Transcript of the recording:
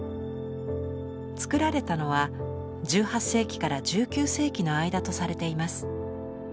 つくられたのは１８世紀から１９世紀の間とされています。